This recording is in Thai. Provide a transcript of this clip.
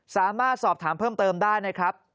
สามารถสอบถามเพิ่มเติมได้นะครับ